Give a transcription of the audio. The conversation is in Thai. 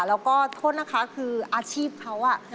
แล้วก็โทษนะคะคืออาชีพเขา